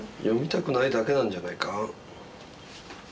読みたくないだけなんじゃないか？